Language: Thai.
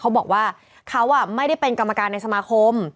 เขาบอกว่าเขาไม่ได้เป็นกรรมการในสมาคม